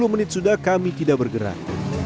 sepuluh menit sudah kami tidak bergerak